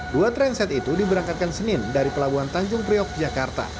dua train set itu diberangkatkan senin dari pelabuhan tanjung priok jakarta